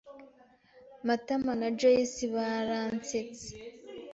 Matama na Joyci baransetse.